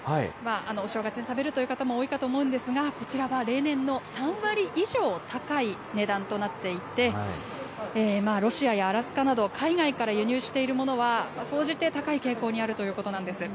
お正月に食べるという方も多いかと思うんですが、こちらは例年の３割以上高い値段となっていて、ロシアやアラスカなど、海外から輸入しているものは、総じて高い傾向にあるということなんです。